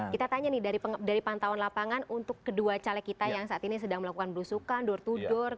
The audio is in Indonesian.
kita tanya nih dari pantauan lapangan untuk kedua caleg kita yang saat ini sedang melakukan belusukan door to door